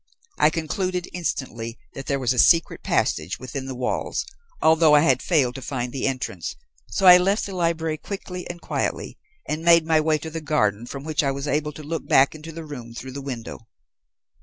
I concluded instantly that there was a secret passage within the walls although I had failed to find the entrance, so I left the library quickly and quietly, and made my way to the garden, from which I was able to look back into the room through the window.